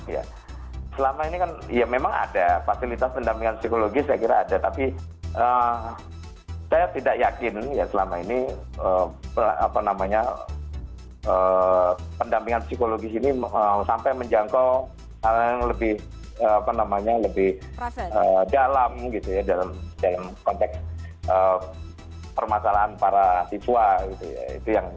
ya selama ini kan ya memang ada fasilitas pendampingan psikologis saya kira ada tapi saya tidak yakin ya selama ini apa namanya pendampingan psikologis ini sampai menjangkau hal yang lebih apa namanya lebih dalam gitu ya dalam konteks permasalahan para siswa gitu ya